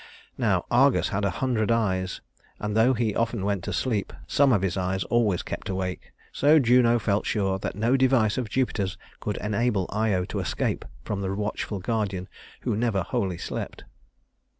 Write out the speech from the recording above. Now Argus had a hundred eyes, and though he often went to sleep, some of his eyes always kept awake; so Juno felt sure that no device of Jupiter's could enable Io to escape from the watchful guardian who never wholly slept.